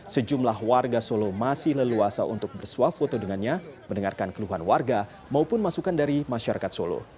sejumlah warga solo masih leluasa untuk bersuah foto dengannya mendengarkan keluhan warga maupun masukan dari masyarakat solo